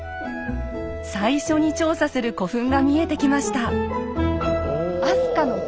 最初に調査する古墳が見えてきました。